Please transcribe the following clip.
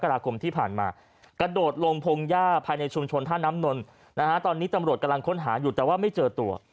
ราคมที่ผ่านมากระโดดลงพงหญ้าภายในชุมชนท่าน้ำนนนะฮะตอนนี้ตำรวจกำลังค้นหาอยู่แต่ว่าไม่เจอตัว